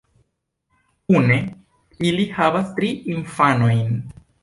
Kune ili havas tri infanojn.